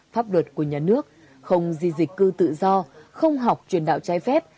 pháp luật của nhà nước không di dịch cư tự do không học truyền đạo trái phép